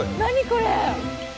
これ。